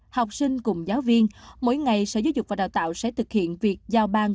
học sinh cùng giáo viên mỗi ngày sở giáo dục và đào tạo sẽ thực hiện việc giao ban